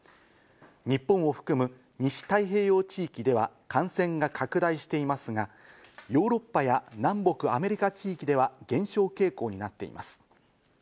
日本を含む西太平洋地域では感染が拡大していますが、ヨーロッパや南北アメリカ地域では減少傾向になっています。